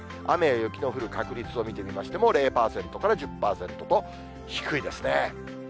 雨や雪の降る確率を見てみましても、０％から１０％と低いですね。